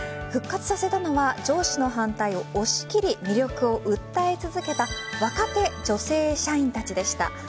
復活させたのは上司の反対を押し切り魅力を訴え続けた若手女性社員たちでした。